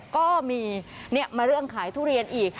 ก็มีมาเรื่องขายทุเรียนอีก